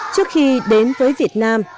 trước khi đến với việt nam